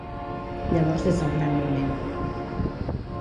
Llavors és el gran moment.